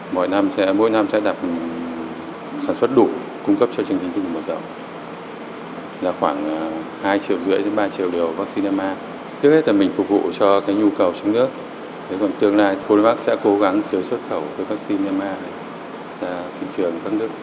bọn anh cố gắng mỗi năm sẽ đặt sản xuất đủ cung cấp cho chương trình tiêm chủng mở rộng